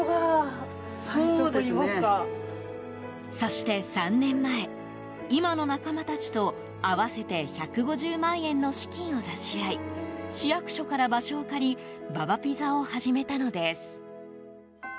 そして３年前、今の仲間たちと合わせて１５０万円の資金を出し合い市役所から場所を借りＢａＢａピザを始めたのです。